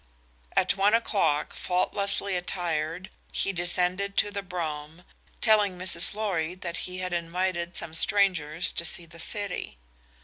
At one o'clock, faultlessly attired, he descended to the brougham, telling Mrs. Lorry that he had invited some strangers to see the city.